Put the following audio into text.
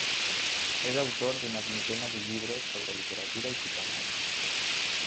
És autor d'una vintena de llibres sobre literatura i psicoanàlisi.